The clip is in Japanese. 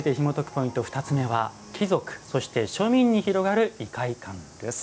ポイント２つ目は「貴族そして庶民に広がる異界観」です。